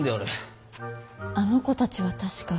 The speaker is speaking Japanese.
あの子たちは確か。